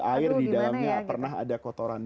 air di dalamnya pernah ada kotoran